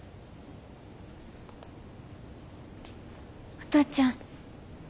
お父ちゃん？